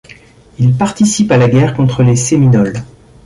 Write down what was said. Il participe à la guerre contre les Séminoles.